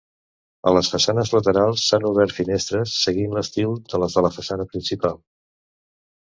A les façanes laterals s'han obert finestres seguint l'estil de les de la façana principal.